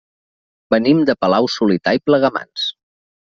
Venim de Palau-solità i Plegamans.